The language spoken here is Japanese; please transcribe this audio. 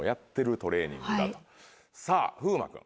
さぁ風磨君。